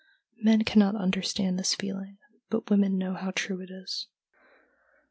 Men cannot understand this feeling, but women know how true it is. Mrs.